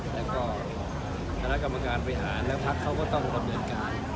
แล้วก็คณะกรรมการบริหารและพักเขาก็ต้องดำเนินการ